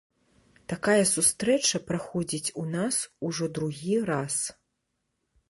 Такая сустрэча праходзіць у нас ужо другі раз.